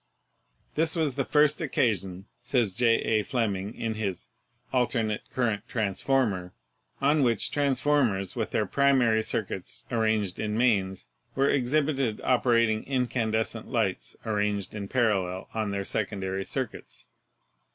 "This was the first occasion," says J. A. Fleming in his 'Alternate Current Transformer,' "on which transformers with their primary circuits arranged in mains were ex hibited operating incandescent lamps arranged in parallel on their secondary circuits.